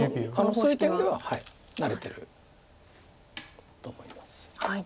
そういう点では慣れてると思います。